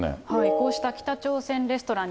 こうした北朝鮮レストラン、